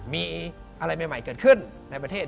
มีอะไรใหม่เกิดขึ้นในประเทศ